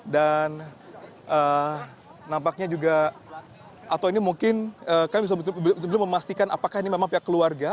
dan nampaknya juga atau ini mungkin kami belum memastikan apakah ini memang pihak keluarga